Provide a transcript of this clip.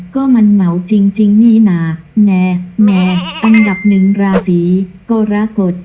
ก็มันเหมาจริงจริงนี่น่ะแน่แน่อันดับหนึ่งราศีก็ระกด